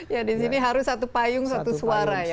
ya di sini harus satu payung satu suara ya